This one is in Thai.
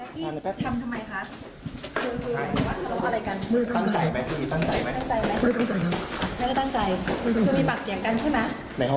พี่ทำทำไมคะ